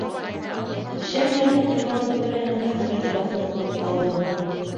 Шәм янып торған өҫтәл янында Фред баҫып тороп ҡалды.